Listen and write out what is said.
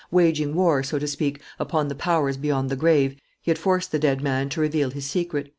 Waging war, so to speak, upon the powers beyond the grave, he had forced the dead man to reveal his secret.